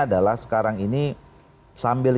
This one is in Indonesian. adalah sekarang ini sambil